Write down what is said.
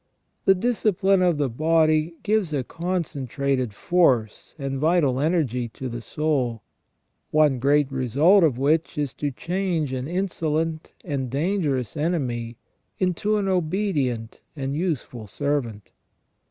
This discipline of the body gives a concentrated force and vital energy to the soul, one great result of which is to change an insolent and dangerous enemy into an obedient and useful servant.